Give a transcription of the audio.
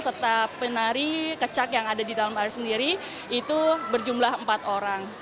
serta penari kecak yang ada di dalam air sendiri itu berjumlah empat orang